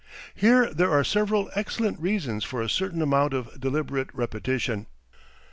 Here there are several excellent reasons for a certain amount of deliberate repetition. .